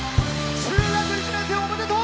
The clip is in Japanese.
中学１年生、おめでとう！